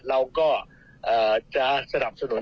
เราก็จะสนับสนุน